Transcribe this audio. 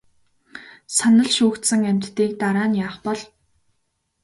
Санал нь шүүгдсэн амьтдыг дараа нь яах бол?